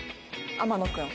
天野君。